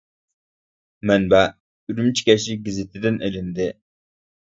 مەنبە: «ئۈرۈمچى كەچلىك گېزىتى» دىن ئېلىندى.